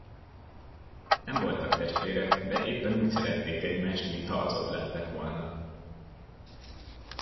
Nem voltak testvérek, de éppen úgy szerették egymást, mintha azok lettek volna.